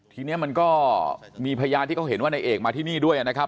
ทีนี้มันก็มีพยานที่เขาเห็นว่าในเอกมาที่นี่ด้วยนะครับ